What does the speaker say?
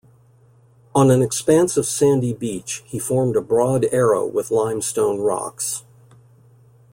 On an expanse of sandy beach he formed a broad arrow with limestone rocks.